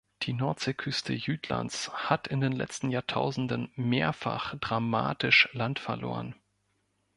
Die Nordseeküste Jütlands hat in den letzten Jahrtausenden mehrfach dramatisch Land verloren.